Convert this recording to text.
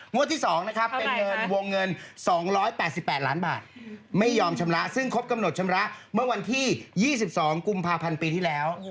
ที่๒นะครับเป็นเงินวงเงิน๒๘๘ล้านบาทไม่ยอมชำระซึ่งครบกำหนดชำระเมื่อวันที่๒๒กุมภาพันธ์ปีที่แล้ว